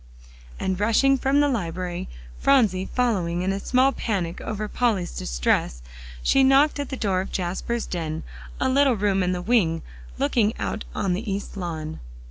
And rushing from the library, Phronsie following in a small panic over Polly's distress, she knocked at the door of Jasper's den, a little room in the wing, looking out on the east lawn.